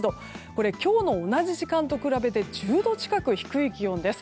これ今日の同じ時間と比べて１０度近く低い気温です。